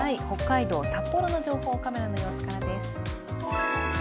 北海道札幌の情報カメラの様子からです。